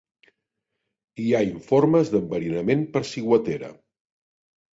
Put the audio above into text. Hi ha informes d'enverinament per ciguatera.